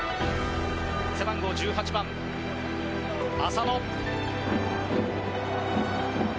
背番号１８番、浅野！